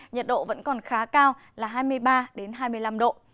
nhiệt độ vẫn còn khá cao là hai mươi ba hai mươi năm độ